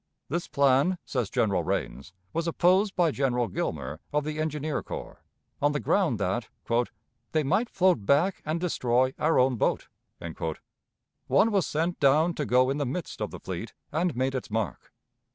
This plan, says General Rains, was opposed by General Gilmer, of the engineer corps, on the ground that "they might float back and destroy our own boat." One was sent down to go in the midst of the fleet, and made its mark.